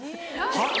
はっ？